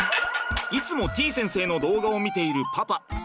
いつもてぃ先生の動画を見ているパパ。